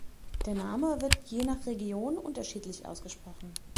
Der Name wird je nach Region unterschiedlich ausgesprochen.